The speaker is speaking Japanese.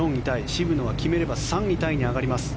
渋野は決めれば３位タイに上がります。